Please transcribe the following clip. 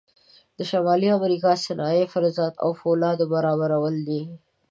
د شمالي امریکا صنایع فلزاتو او فولادو برابرول دي.